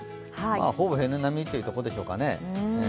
ほぼ平年並みということでしょうかね。